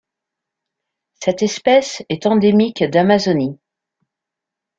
Cette espèce est endémique d'Amazonie.